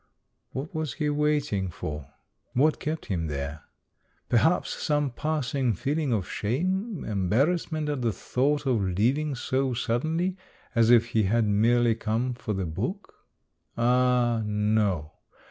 What was he waiting for? What kept him there? Per haps some passing feeling of shame, embarrass ment at the thought of leaving so suddenly, as if he had merely come for the book? Ah, no